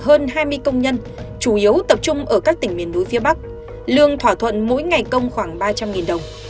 hơn hai mươi công nhân chủ yếu tập trung ở các tỉnh miền núi phía bắc lương thỏa thuận mỗi ngày công khoảng ba trăm linh đồng